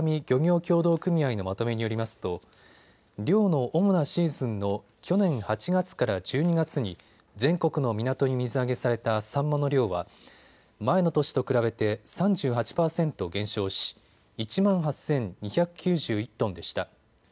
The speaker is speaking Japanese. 漁業協同組合のまとめによりますと漁の主なシーズンの去年８月から１２月に全国の港に水揚げされたサンマの量は前の年と比べて３８％減少し１万８２９１トンでした。